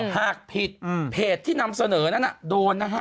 หากผิดเพจที่นำเสนอนั้นโดนนะฮะ